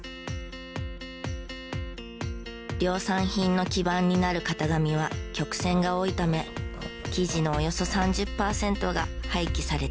量産品の基盤になる型紙は曲線が多いため生地のおよそ３０パーセントが廃棄されています。